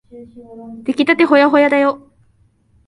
できたてほやほやだよ。